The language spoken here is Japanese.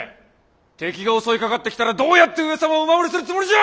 敵が襲いかかってきたらどうやって上様をお守りするつもりじゃ！